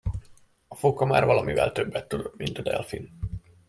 A fóka már valamivel többet tudott, mint a delfin.